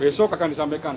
besok akan disampaikan